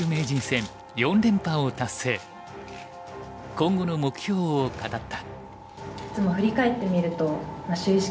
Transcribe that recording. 今後の目標を語った。